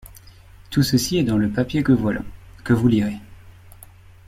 Tout ceci est dans le papier que voilà, que vous lirez.